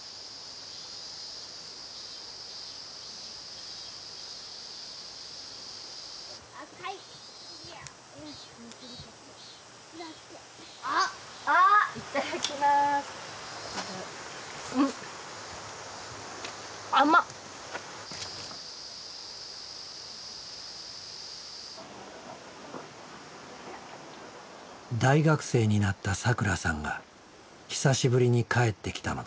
大学生になったさくらさんが久しぶりに帰ってきたのだ。